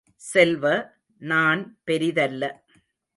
செல்வ, நான் பெரிதல்ல!